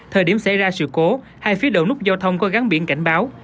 thời điểm xảy ra sự cố hai phía đầu nút giao thông có gắn biển cảnh báo